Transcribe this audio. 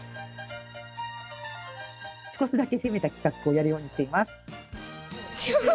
少しだけ攻めた企画をやるようにしています。